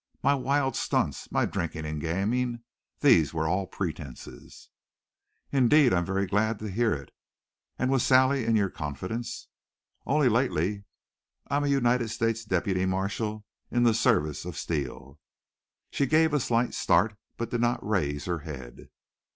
My wild stunts, my drinking and gaming these were all pretense." "Indeed! I am very glad to hear it. And was Sally in your confidence?" "Only lately. I am a United States deputy marshal in the service of Steele." She gave a slight start, but did not raise her head.